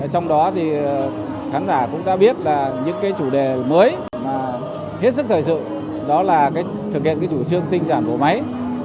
trong đó thì khán giả cũng đã biết là những cái chủ đề mới mà hết sức thời sự đó là cái thực hiện cái chủ trương tinh sản bộ máy